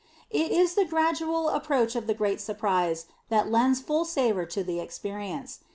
It is the gradual approach to the Great Surprise that lends full savor to the experience.